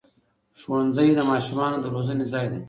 ښوونځی د ماشومانو د روزنې ځای دی